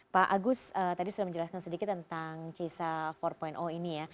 pak agus tadi sudah menjelaskan sedikit tentang cisa empat ini ya